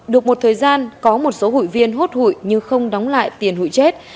được một thời gian có một số hội viên hốt hội nhưng không đóng lại tiền hội chết